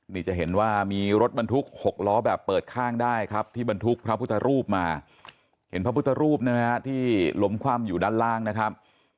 มาเห็นพระพุทธรูปนะฮะที่ลมคว่ำอยู่ด้านล่างนะครับ